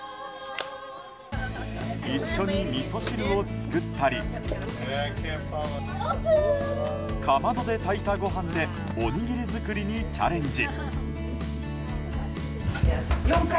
一緒にみそ汁を作ったりかまどで炊いたご飯でおにぎり作りにチャレンジ。